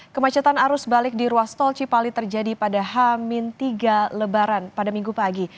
kemacetan arus balik di ruas tol cipali terjadi pada hamin tiga lebaran pada minggu pagi